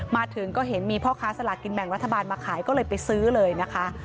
มาถึงก็เห็นมีพ่อค้าสลากกินแบ่งรัฐบาลมาขายก็เลยไปซื้อเลยนะคะ